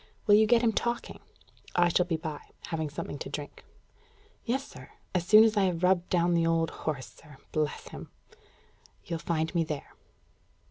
Will you get him talking? I shall be by, having something to drink." "Yes, sir. As soon as I have rubbed down the old horse, sir bless him!" "You'll find me there."